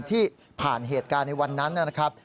ที่ผ่านเหตุการณ์ในวันนั้นนะครับ